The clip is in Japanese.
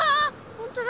ほんとだ。